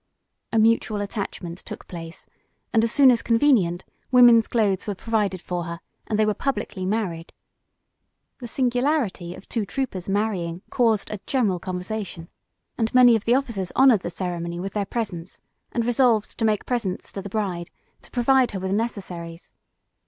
A mutual attachment took place, and, as soon as convenient, women's clothes were provided for her, and they were publicly married. The singularity of two troopers marrying caused a general conversation, and many of the officers honored the ceremony with their presence, and resolved to make presents to the bride, to provide her with necessaries.